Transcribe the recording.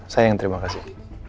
sayang terima kasih